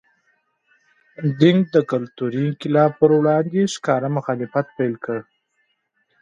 دینګ د کلتوري انقلاب پر وړاندې ښکاره مخالفت پیل کړ.